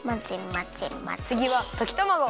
つぎはときたまご！